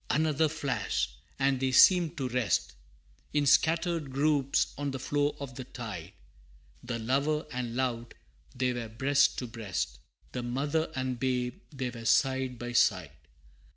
Another flash! and they seemed to rest, In scattered groups, on the floor of the tide: The lover and loved, they were breast to breast, The mother and babe, they were side by side.